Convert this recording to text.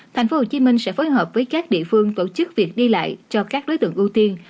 thành phố hồ chí minh sẽ phối hợp với các địa phương tổ chức việc đi lại cho các đối tượng ưu tiên